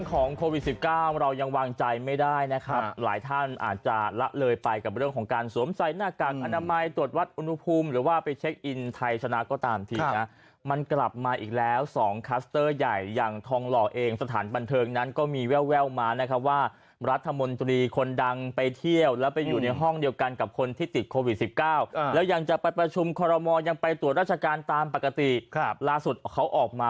ของโควิด๑๙เรายังวางใจไม่ได้นะครับหลายท่านอาจจะละเลยไปกับเรื่องของการสวมใส่หน้ากากอนามัยตรวจวัดอุณหภูมิหรือว่าไปเช็คอินไทยชนะก็ตามทีนะมันกลับมาอีกแล้วสองคัสเตอร์ใหญ่อย่างทองหล่อเองสถานปันเทิงนั้นก็มีแว่วแววมานะครับว่ารัฐมนตรีคนดังไปเที่ยวแล้วไปอยู่ในห้องเดียวกันกับคนที่ติดโคว